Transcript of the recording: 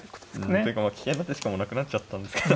って言うか危険な手しかもうなくなっちゃったんですけど。